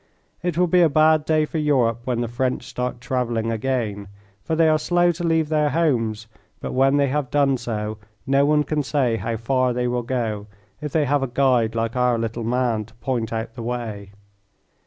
It will be a bad day for Europe when the French start travelling again, for they are slow to leave their homes, but when they have done so no one can say how far they will go if they have a guide like our little man to point out the way.